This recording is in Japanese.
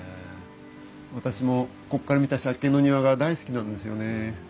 私もこっから見た借景の庭が大好きなんですよね。